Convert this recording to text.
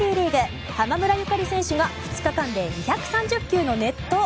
濱村ゆかり投手が２日間で２３０球の熱投。